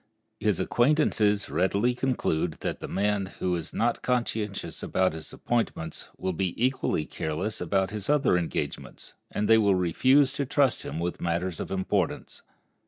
His acquaintances readily conclude that the man who is not conscientious about his appointments will be equally careless about his other engagements, and they will refuse to trust him with matters of importance.